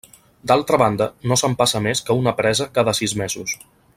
D'altra banda, no s'empassa més que una presa cada sis mesos.